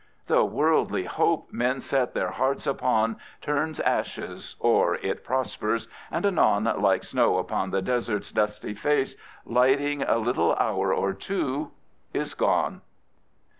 The Worldly Hope men set their hearts upon Turns Ashes — or it prospers; and anon Like Snow upon the Desert's dusty Face Lighting a little Hour or two — is gone.